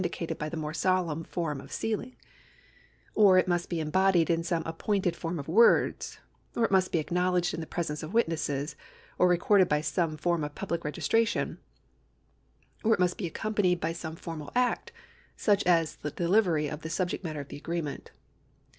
311 cated by the more solemn form of sealing ; or it must be embodied in some appointed form of words ; or it must be acknowledged in the presence of witnesses, or recorded by some form of public registration ; or it must be accompanied by some formal act, such as the delivery of the subject matter of the agreement.